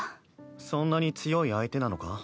そんなに強い相手なのか？